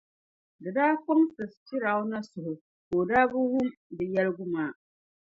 di daa kpaŋsi Firawuna suhu, ka o daa bi wum bɛ yɛligu maa.